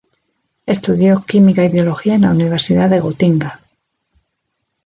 Estudió química y biología en la Universidad de Gotinga.